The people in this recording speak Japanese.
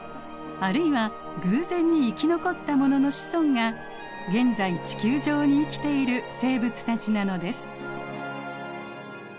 あるいは偶然に生き残ったものの子孫が現在地球上に生きている生物たちなのです。